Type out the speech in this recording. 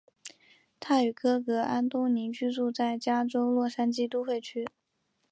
他与哥哥安东尼居住在加州洛杉矶都会区。